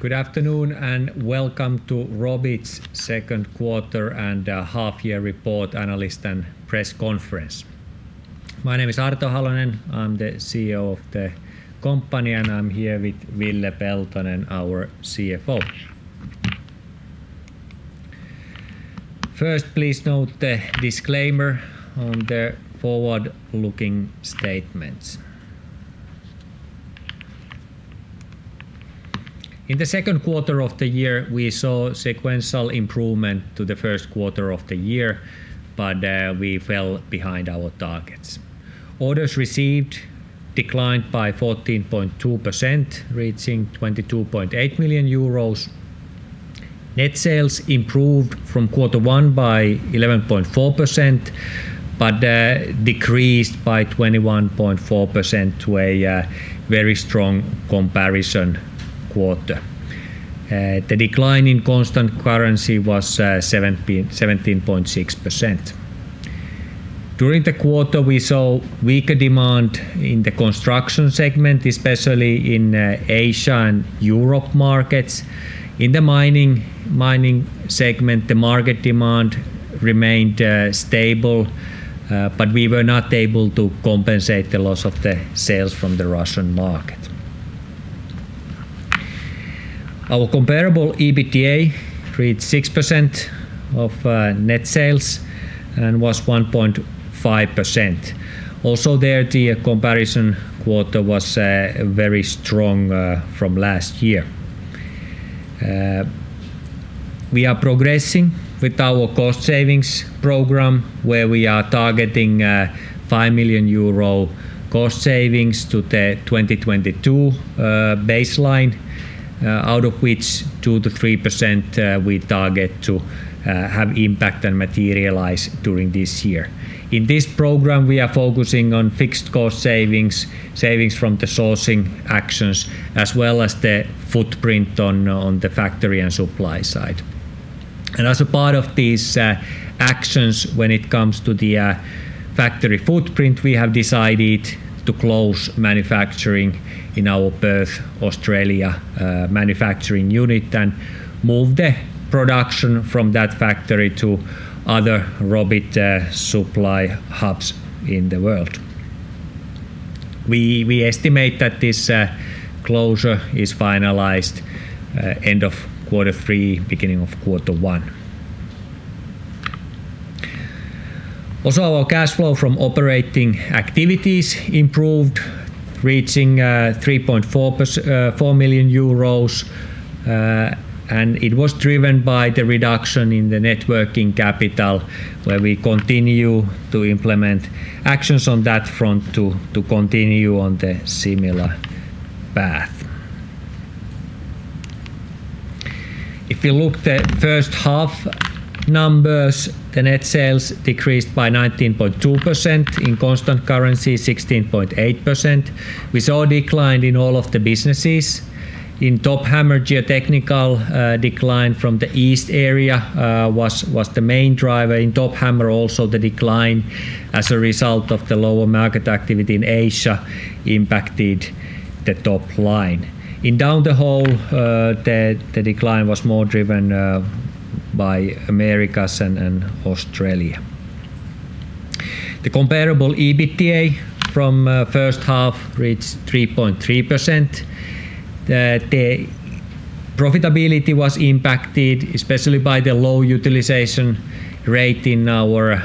Good afternoon, and welcome to Robit's second quarter and half year report analyst and press conference. My name is Arto Halonen. I'm the CEO of the company, and I'm here with Ville Peltonen, our CFO. First, please note the disclaimer on the forward-looking statements. In the second quarter of the year, we saw sequential improvement to the first quarter of the year, but we fell behind our targets. Orders received declined by 14.2%, reaching 22.8 million euros. Net sales improved from quarter one by 11.4%, but decreased by 21.4% to a very strong comparison quarter. The decline in constant currency was 17.6%. During the quarter, we saw weaker demand in the construction segment, especially in Asia and Europe markets. In the mining, mining segment, the market demand remained stable, but we were not able to compensate the loss of the sales from the Russian market. Our comparable EBITDA reached 6% of net sales and was 1.5%. There, the comparison quarter was very strong from last year. We are progressing with our cost savings program, where we are targeting 5 million euro cost savings to the 2022 baseline, out of which 2%-3% we target to have impact and materialize during this year. In this program, we are focusing on fixed cost savings, savings from the sourcing actions, as well as the footprint on, on the factory and supply side. As a part of these actions, when it comes to the factory footprint, we have decided to close manufacturing in our Perth, Australia manufacturing unit and move the production from that factory to other Robit supply hubs in the world. We estimate that this closure is finalized end of quarter three, beginning of quarter one. Also, our cash flow from operating activities improved, reaching EUR 3.4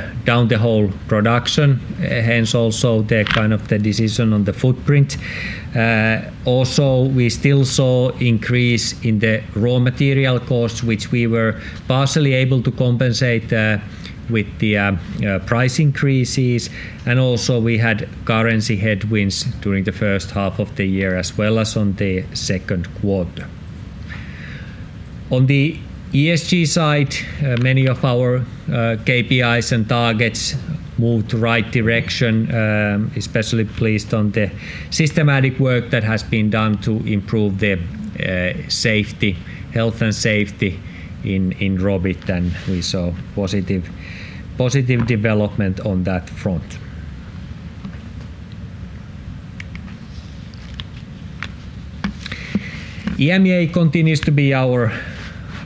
million, and it was driven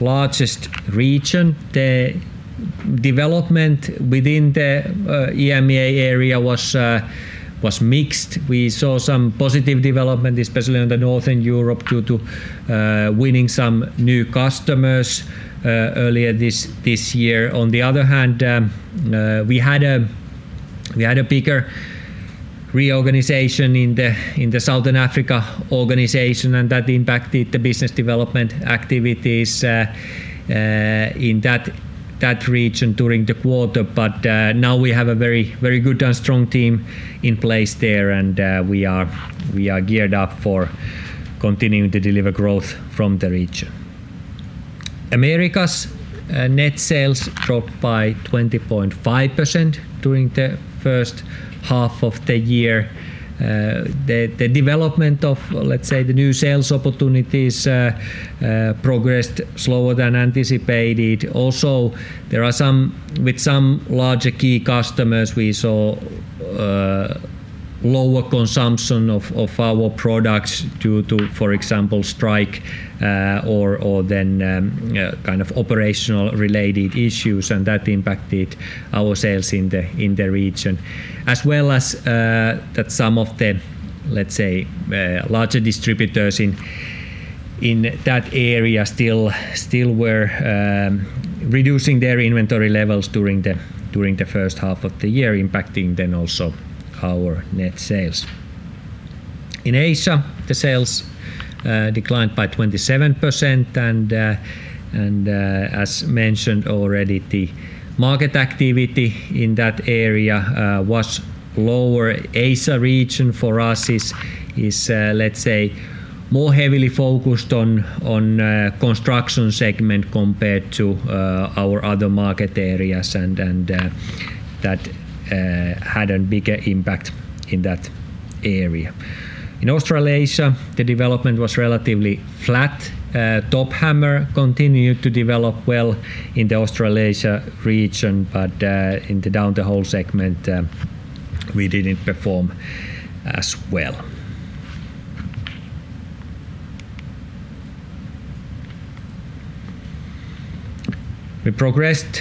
by the reduction half of the year. The development of, let's say, the new sales opportunities, progressed slower than anticipated. Also, there are some. With some larger key customers, we saw lower consumption of, of our products due to, for example, strike, or, or then, kind of operational related issues, and that impacted our sales in the, in the region. As well as that some of the, let's say, larger distributors in, in that area still, still were reducing their inventory levels during the, during the first half of the year, impacting then also our net sales. In Asia, the sales declined by 27%, and as mentioned already, the market activity in that area was lower. Asia region for us is more heavily focused on construction segment compared to our other market areas, and that had a bigger impact in that area. In Australasia, the development was relatively flat. Top Hammer continued to develop well in the Australasia region, but in the Down the Hole segment, we didn't perform as well. We progressed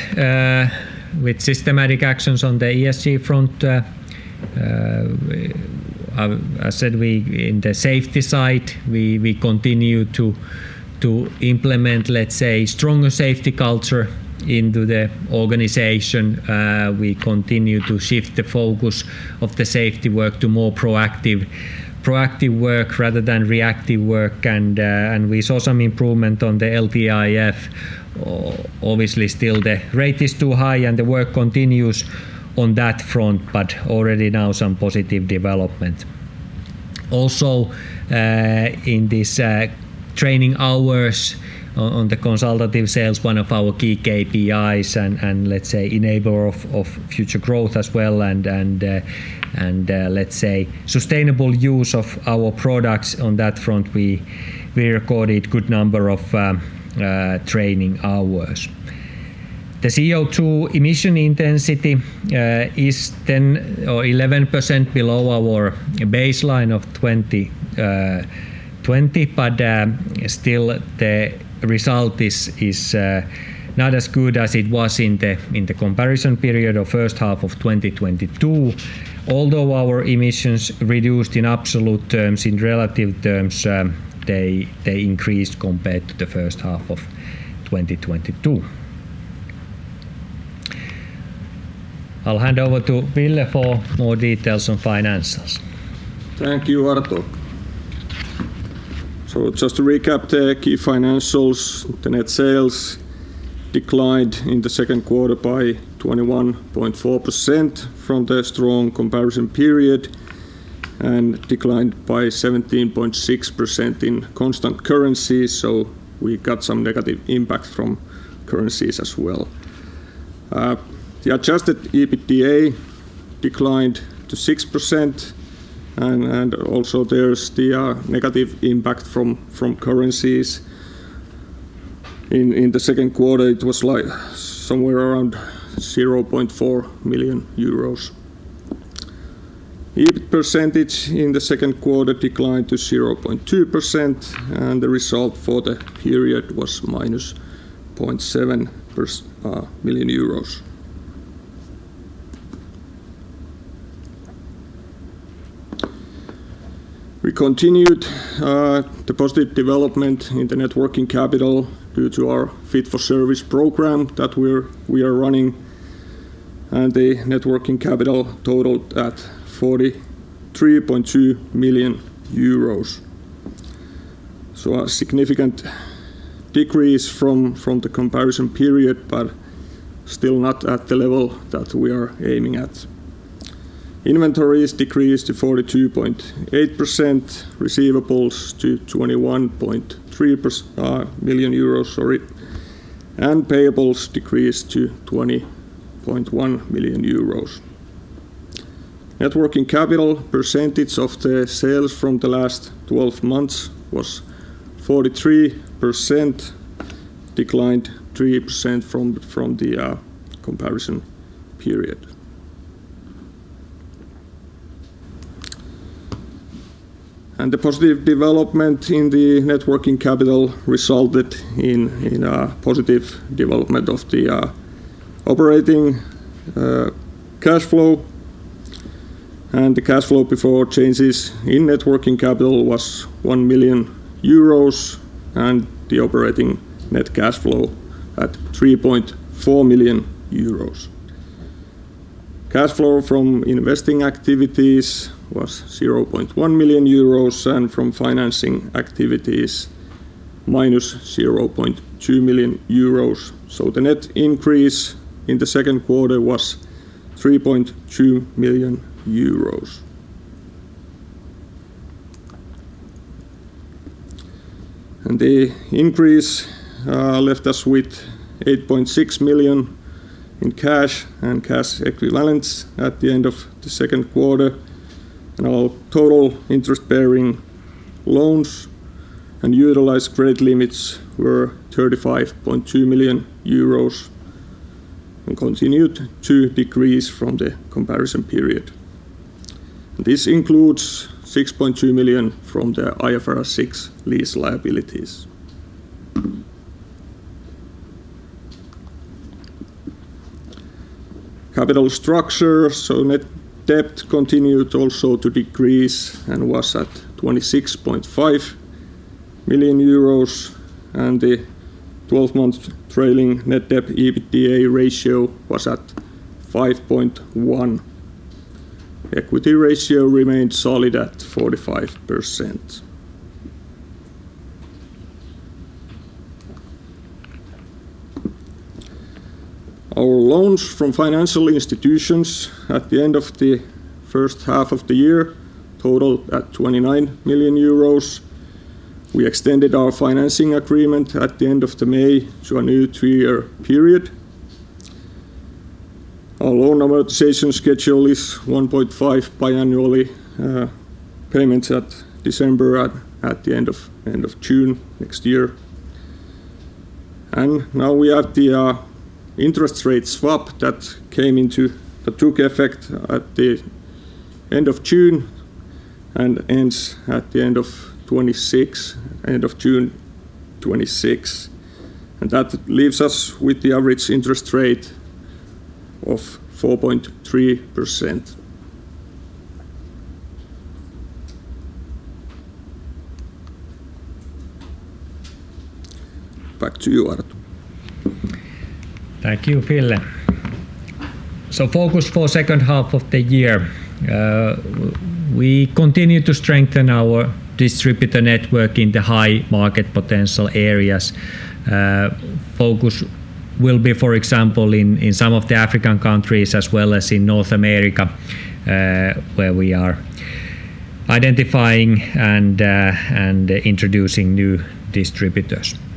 with systematic actions on the ESG front. We, in the safety side, continue to implement stronger safety culture into the organization. We continue to shift the focus of the safety work to more proactive, proactive work rather than reactive work, and we saw some improvement on the LTIF. Obviously, still, the rate is too high, and the work continues on that front, but already now some positive development. Also, in this, training hours on the consultative sales, one of our key KPIs and, let's say, enabler of, future growth as well, and, let's say, sustainable use of our products on that front, we, we recorded good number of training hours. The CO2 emission intensity is 10% or 11% below our baseline of 2020, still the result is not as good as it was in the, in the comparison period or first half of 2022. Although our emissions reduced in absolute terms, in relative terms, they, they increased compared to the first half of 2022. I'll hand over to Ville for more details on financials. Thank you, Arto. Just to recap the key financials, the net sales declined in the second quarter by 21.4% from the strong comparison period and declined by 17.6% in constant currency, so we got some negative impact from currencies as well. The adjusted EBITDA declined to 6%, and also there's the negative impact from currencies. In the second quarter, it was like somewhere around 0.4 million euros. EBIT percentage in the second quarter declined to 0.2%, and the result for the period was -0.7 million euros. We continued the positive development in the net working capital due to our Fit for Service program that we are running, and the net working capital totaled at 43.2 million euros. A significant decrease from, from the comparison period, but still not at the level that we are aiming at. Inventories decreased to 42.8%, receivables to 21.3 million euros, sorry, and payables decreased to 20.1 million euros. Net working capital percentage of the sales from the last 12 months was 43%, declined 3% from, from the comparison period. The positive development in the net working capital resulted in, in a positive development of the operating cash flow, and the cash flow before changes in net working capital was 1 million euros, and the operating net cash flow at 3.4 million euros. Cash flow from investing activities was 0.1 million euros, and from financing activities, -0.2 million euros. The net increase in the second quarter was 3.2 million euros. The increase left us with 8.6 million in cash and cash equivalents at the end of the second quarter, and our total interest-bearing loans and utilized credit limits were 35.2 million euros and continued to decrease from the comparison period. This includes 6.2 million from the IFRS 16 lease liabilities. Capital structure, net debt continued also to decrease and was at 26.5 million euros, and the 12-month trailing net debt EBITDA ratio was at 5.1. Equity ratio remained solid at 45%. Our loans from financial institutions at the end of the first half of the year totaled at 29 million euros. We extended our financing agreement at the end of May to a new 3-year period. Our loan amortization schedule is 1.5 biannually, payments at December at, at the end of, end of June next year. Now we have the interest rate swap that took effect at the end of June and ends at the end of 2026, end of June 2026, and that leaves us with the average interest rate of 4.3%. Back to you, Arto. Thank you, Ville. Focus for second half of the year, we continue to strengthen our distributor network in the high market potential areas. Focus will be, for example, in, in some of the African countries, as well as in North America, where we are identifying and introducing new distributors. Also, strong ramp-up support for recently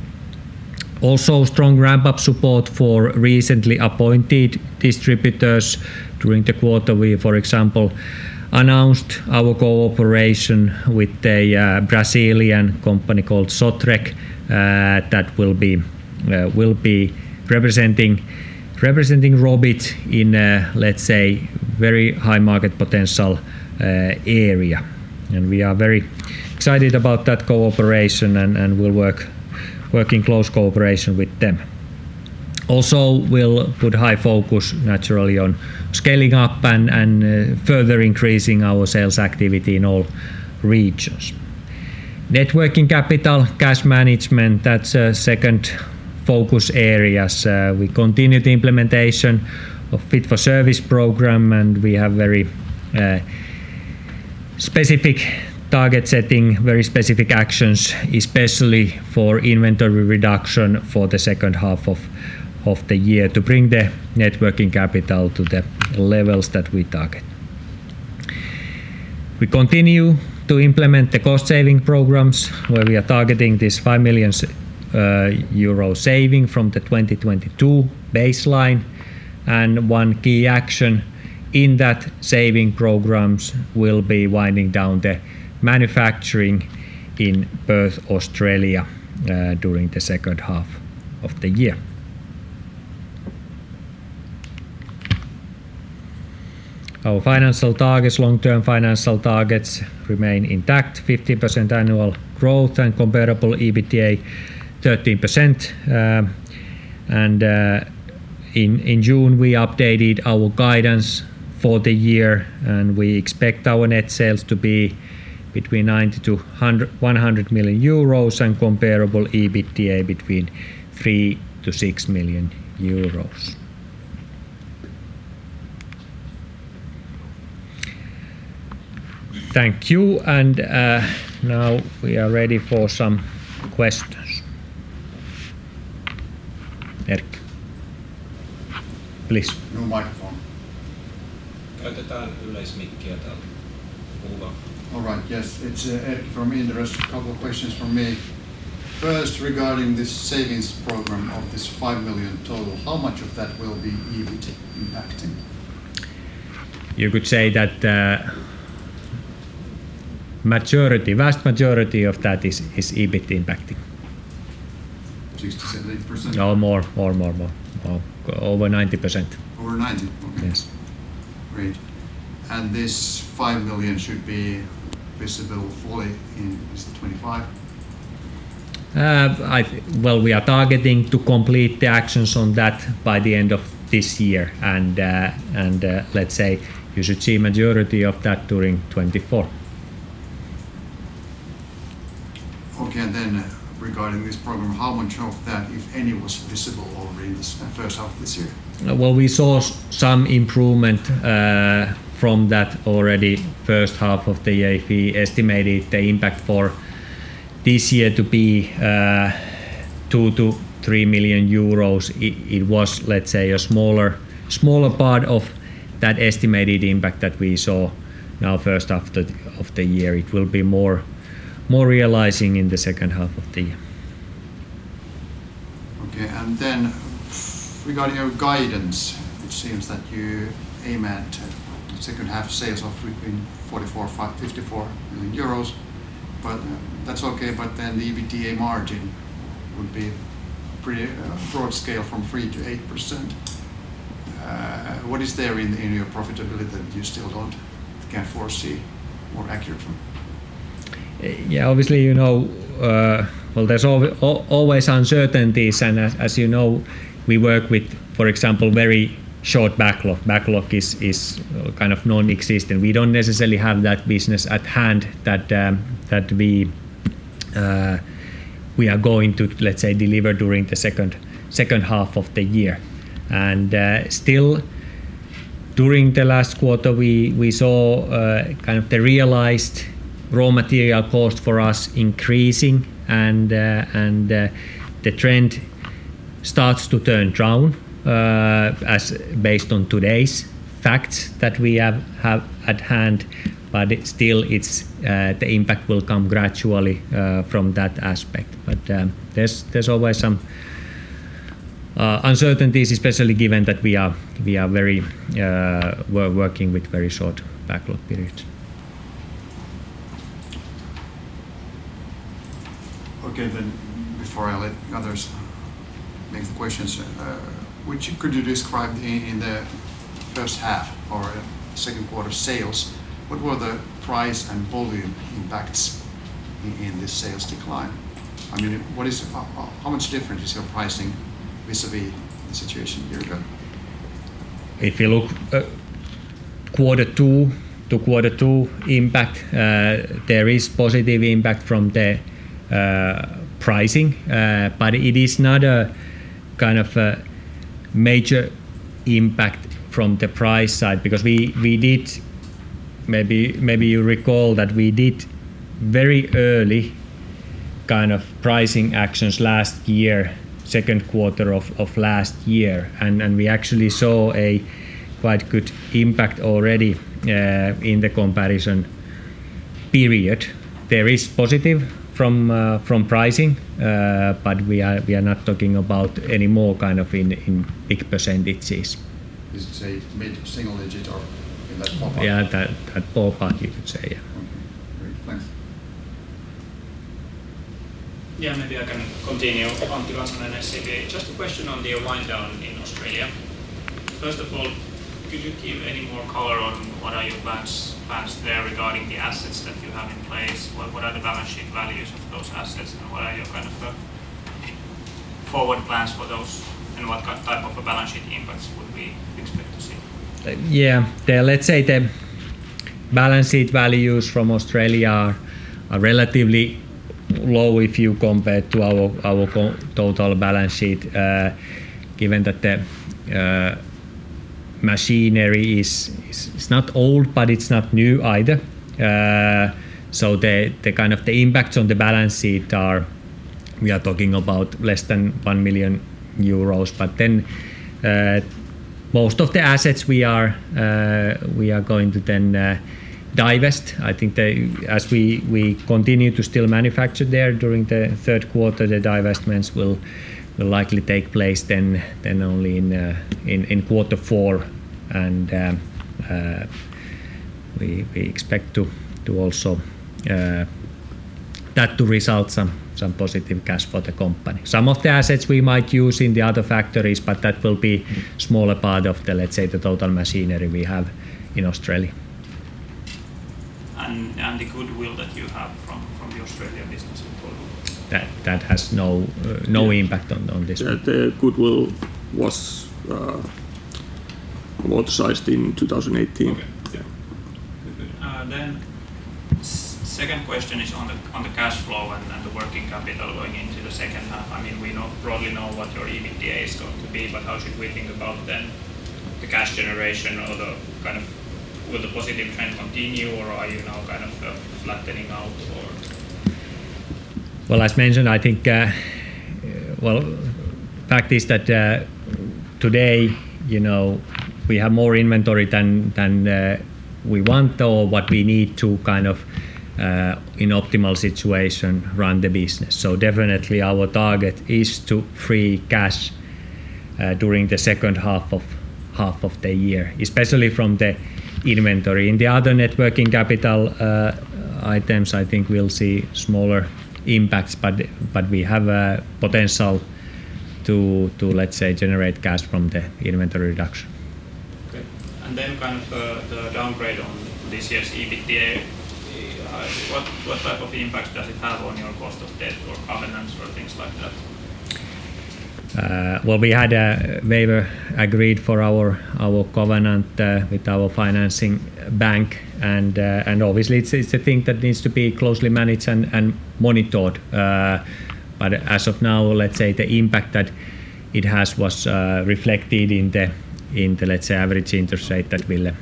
appointed distributors. During the quarter, we, for example, announced our cooperation with a Brazilian company called Sotreq, that will be representing, representing Robit in a, let's say, very high market potential area. We are very excited about that cooperation and, and we'll work, work in close cooperation with them. Also, we'll put high focus naturally on scaling up and, and further increasing our sales activity in all regions. Net working capital, cash management, that's second focus areas. We continued implementation of Fit for Service program, we have very specific target setting, very specific actions, especially for inventory reduction for the second half of the year to bring the net working capital to the levels that we target. We continue to implement the cost-saving programs, where we are targeting this 5 million euro saving from the 2022 baseline. One key action in that saving programs will be winding down the manufacturing in Perth, Australia during the second half of the year. Our financial targets, long-term financial targets remain intact: 15% annual growth and comparable EBITDA 13%. In June, we updated our guidance for the year, we expect our net sales to be between EUR 90 million-EUR 100 million and comparable EBITDA between EUR 3 million-EUR 6 million. Thank you. Now we are ready for some questions. Erk, please. No microphone. Käytetään yleismikkiä täältä. Kuuluuko? All right, yes, it's Erkki from Inderes. A couple questions from me. First, regarding this savings program of this 5 million total, how much of that will be EBIT impacting? You could say that, majority, vast majority of that is, is EBIT impacting. 60%, 70%? No, more, more, more, more. Over 90%. Over 90? Yes. Okay, great. This 5 million should be visible fully in 2025? Well, we are targeting to complete the actions on that by the end of this year, and, let's say you should see majority of that during 2024. Okay, regarding this program, how much of that, if any, was visible already in this, first half of this year? Well, we saw some improvement from that already first half of the year. We estimated the impact for this year to be 2 million-3 million euros. It, it was, let's say, a smaller, smaller part of that estimated impact that we saw now first half of the year. It will be more, more realizing in the second half of the year. Regarding your guidance, it seems that you aim at second half sales of between 44.5 million-54 million euros. That's okay, but then the EBITDA margin would be pretty broad scale from 3%-8%. What is there in your profitability that you still can't foresee more accurately? Yeah, obviously, you know, well, there's always uncertainties, and as, as you know, we work with, for example, very short backlog. Backlog is, is kind of non-existent. We don't necessarily have that business at hand that we, we are going to, let's say, deliver during the second, second half of the year. Still, during the last quarter, we, we saw kind of the realized raw material cost for us increasing, and the trend starts to turn down as based on today's facts that we have, have at hand, but it's still, it's, the impact will come gradually from that aspect. There's, there's always some uncertainties, especially given that we are- we are very... We're working with very short backlog periods. Before I let others make the questions, which could you describe in, in the first half or second quarter sales, what were the price and volume impacts in the sales decline? I mean, what is how much different is your pricing vis-à-vis the situation a year ago? If you look at quarter two to quarter two impact, there is positive impact from the pricing, but it is not a kind of a major impact from the price side because Maybe you recall that we did very early kind of pricing actions last year, second quarter of last year, and we actually saw a quite good impact already in the comparison period. There is positive from pricing, but we are not talking about any more kind of in, in big percentages. Is it, say, mid-single digit or in that ballpark? Yeah, that, that ballpark, you could say, yeah. Okay. Great. Thanks. Yeah, maybe I can continue. Arto Väisänen, SEB. Just a question on the wind down in Australia. First of all, could you give any more color on what are your plans there regarding the assets that you have in place? What are the balance sheet values of those assets, and what are your kind of forward plans for those, and what kind of type of a balance sheet impacts would we expect to see? Yeah. Let's say the balance sheet values from Australia are relatively low if you compare to our total balance sheet, given that the machinery is not old, but it's not new either. The kind of the impacts on the balance sheet are. We are talking about less than 1 million euros. Then, most of the assets we are going to then divest. I think as we continue to still manufacture there during the third quarter, the divestments will likely take place then only in quarter four. We expect to also that to result some positive cash for the company. Some of the assets we might use in the other factories, but that will be smaller part of the, let's say, the total machinery we have in Australia. And the goodwill that you have from, from the Australia business as well? That, that has no, no impact on, on this. The goodwill was amortized in 2018. Okay. Yeah. Second question is on the, on the cash flow and, and the working capital going into the second half. I mean, we broadly know what your EBITDA is going to be, but how should we think about then the cash generation or will the positive trend continue, or are you now kind of flattening out or? Well, as mentioned, I think. Well, fact is that today, you know, we have more inventory than, than we want or what we need to kind of in optimal situation, run the business. Definitely our target is to free cash during the second half of the year, especially from the inventory. In the other net working capital items, I think we'll see smaller impacts, but we have a potential to, let's say, generate cash from the inventory reduction. Okay. Then kind of the downgrade on this year's EBITDA, what, what type of impact does it have on your cost of debt or covenants or things like that? Well, we had a waiver agreed for our, our covenant, with our financing bank, and, and obviously, it's, it's a thing that needs to be closely managed and, and monitored. But as of now, let's say the impact that it has was reflected in the, let's say, average interest rate that Ville,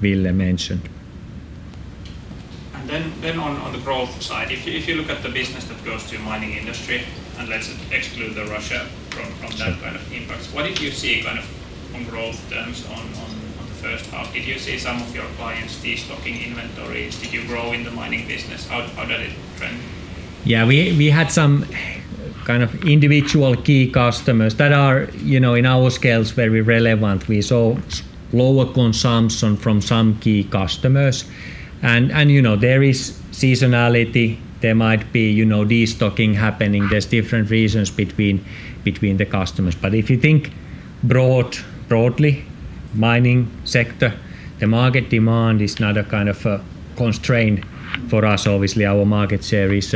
Ville mentioned. Then on the growth side, if you look at the business that goes to mining industry, let's exclude Russia from that kind of impact, what did you see kind of on growth terms on the first half? Did you see some of your clients de-stocking inventory? Did you grow in the mining business? How did it-... Yeah, we, we had some kind of individual key customers that are, you know, in our scales, very relevant. We saw lower consumption from some key customers, and, you know, there is seasonality. There might be, you know, destocking happening. There's different reasons between the customers. But if you think broadly, mining sector, the market demand is not a kind of a constraint for us. Obviously, our market share is,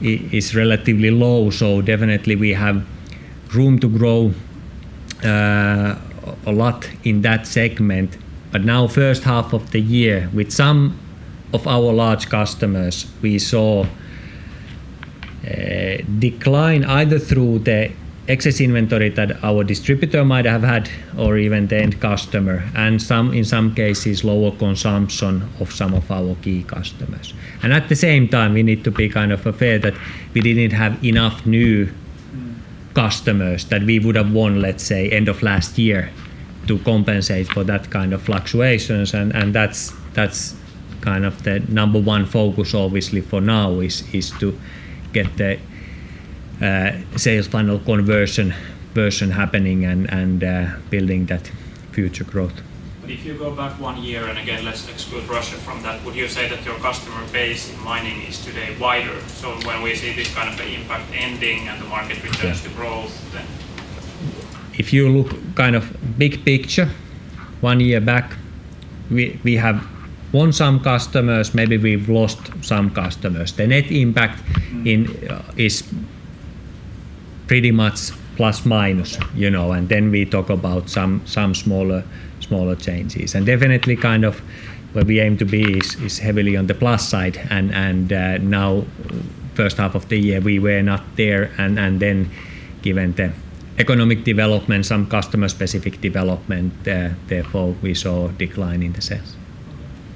is relatively low, so definitely we have room to grow a lot in that segment. But now, first half of the year, with some of our large customers, we saw decline either through the excess inventory that our distributor might have had or even the end customer, and in some cases, lower consumption of some of our key customers. At the same time, we need to be kind of fair that we didn't have enough new customers that we would have won, let's say, end of last year, to compensate for that kind of fluctuations. That's kind of the number one focus obviously for now, is to get the sales funnel conversion version happening and building that future growth. If you go back 1 year, and again, let's exclude Russia from that, would you say that your customer base in mining is today wider? When we see this kind of an impact ending and the market... Yeah returns to growth, then? If you look kind of big picture, one year back, we, we have won some customers, maybe we've lost some customers. The net impact in is pretty much plus, minus, you know, then we talk about some, some smaller, smaller changes. Definitely kind of where we aim to be is, is heavily on the plus side, and, and now first half of the year, we were not there. Then given the economic development, some customer-specific development, therefore, we saw a decline in the sales.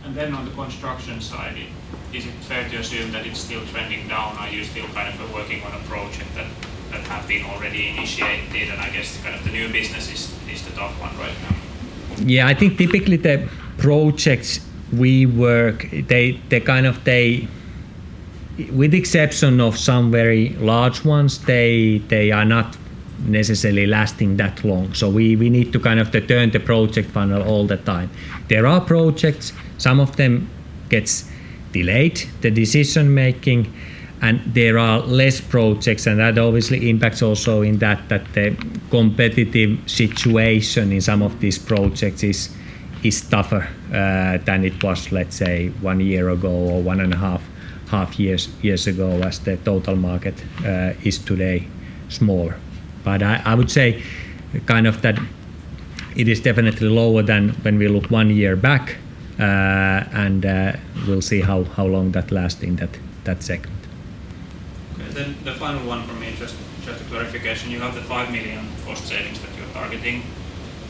Okay. Then on the construction side, is it fair to assume that it's still trending down? Are you still kind of working on a project that, that have been already initiated? I guess kind of the new business is, is the top one right now. Yeah, I think typically the projects we work, they, they kind of they... With exception of some very large ones, they, they are not necessarily lasting that long. We, we need to kind of to turn the project funnel all the time. There are projects, some of them gets delayed, the decision-making, and there are less projects, and that obviously impacts also in that, that the competitive situation in some of these projects is, is tougher than it was, let's say, one year ago or one and a half years ago, as the total market is today smaller. I, I would say kind of that it is definitely lower than when we look one year back, and we'll see how long that last in that, that segment. Okay, the final one for me, just a clarification. You have the 5 million cost savings that you're targeting,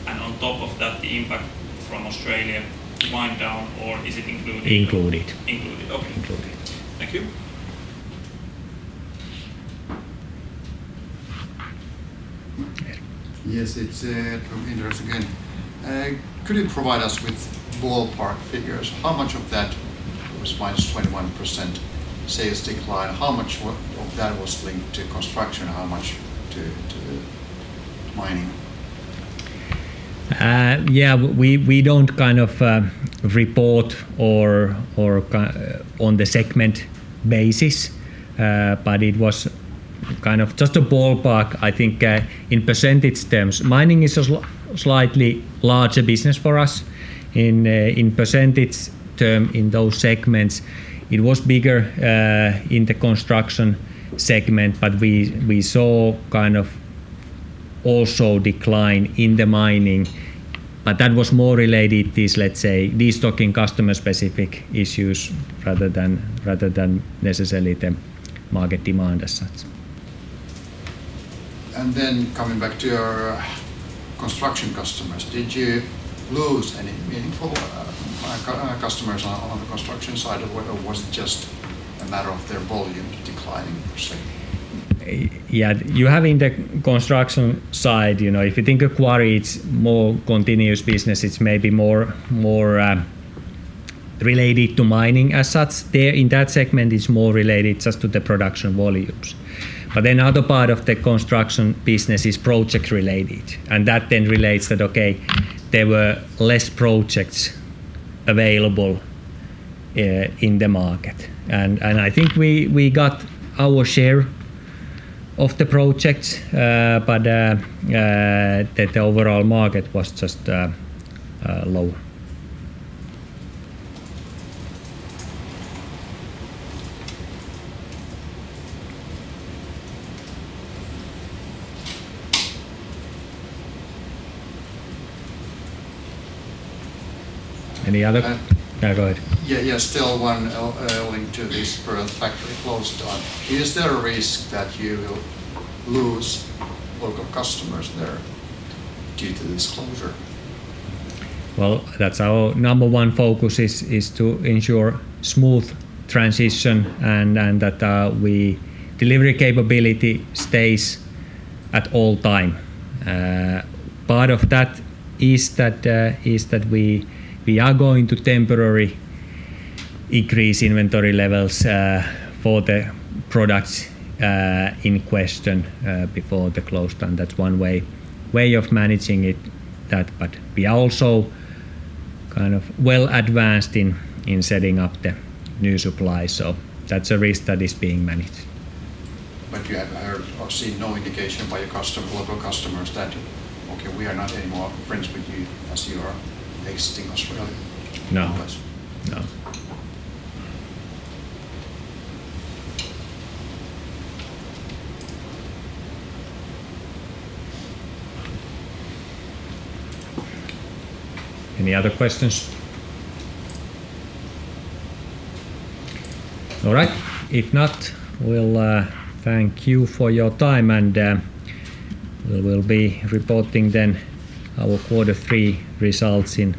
and on top of that, the impact from Australia wind-down, or is it included? Included. Included. Okay. Included. Thank you. Yes, it's from Inderes again. Could you provide us with ballpark figures? How much of that was minus 21% sales decline? How much of that was linked to construction, and how much to, to mining? Yeah, we, we don't kind of report or on the segment basis, but it was kind of just a ballpark, I think, in percentage terms. Mining is a slightly larger business for us. In percentage term, in those segments, it was bigger in the construction segment, but we, we saw kind of also decline in the mining. That was more related this, let's say, destocking customer-specific issues, rather than, rather than necessarily the market demand as such. Coming back to your construction customers, did you lose any meaningful customers on, on the construction side, or it was just a matter of their volume declining per se? Yeah, you have in the construction side, you know, if you think a quarry, it's more continuous business. It's maybe more, more related to mining as such. There, in that segment, it's more related just to the production volumes. Then other part of the construction business is project-related, and that then relates that, okay, there were less projects available in the market. I think we, we got our share of the projects, but the overall market was just lower. Any other? Yeah, go ahead. Yeah, yeah. Still one linked to this current factory closed down. Is there a risk that you will lose local customers there due to this closure? Well, that's our number one focus is, is to ensure smooth transition and, and that we delivery capability stays at all time. Part of that is that we are going to temporarily increase inventory levels for the products in question before the close down. That's one way, way of managing it. We are also kind of well advanced in setting up the new supply, so that's a risk that is being managed. You have heard or seen no indication by your local customers that, "Okay, we are not anymore friends with you as you are exiting Australia? No. Okay. No. Any other questions? All right. If not, we'll thank you for your time, and we will be reporting then our Q3 results in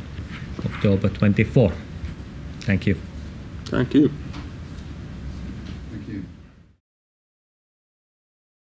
October 24th. Thank you. Thank you. Thank you.